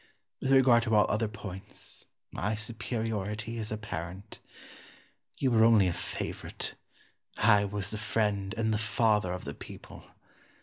With regard to all other points, my superiority is apparent. You were only a favourite; I was the friend and the father of the people.